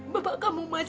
bapak kamu masih ada nak